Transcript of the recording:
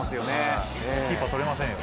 キーパーとれませんよ。